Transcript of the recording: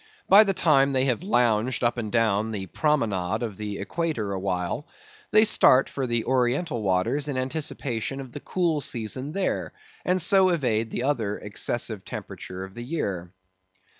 By the time they have lounged up and down the promenade of the Equator awhile, they start for the Oriental waters in anticipation of the cool season there, and so evade the other excessive temperature of the year.